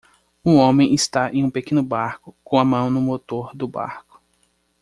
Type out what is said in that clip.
Um homem está em um pequeno barco com a mão no motor do barco.